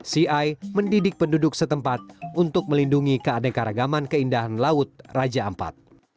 ci mendidik penduduk setempat untuk melindungi keanekaragaman keindahan laut raja ampat